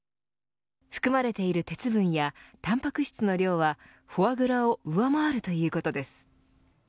含まれている鉄分やタンパク質の量はフォアグラを上回るということです。